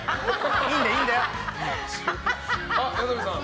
いいんだよ、いいんだよ。